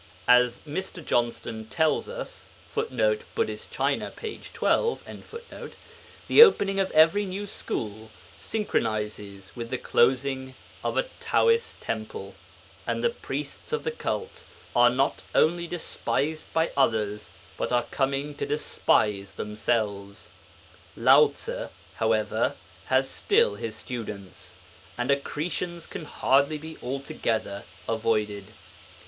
As Mr. Johnston tells us, [Footnote: Buddhist China, p. 12.] the opening of every new school synchronizes with the closing of a Taoist temple, and the priests of the cult are not only despised by others, but are coming to despise themselves. Lao Tze, however, has still his students, and accretions can hardly be altogether avoided.